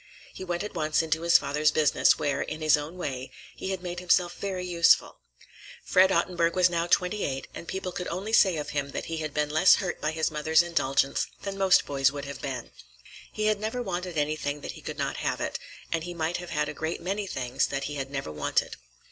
He went at once into his father's business, where, in his own way, he had made himself very useful. Fred Ottenburg was now twenty eight, and people could only say of him that he had been less hurt by his mother's indulgence than most boys would have been. He had never wanted anything that he could not have it, and he might have had a great many things that he had never wanted.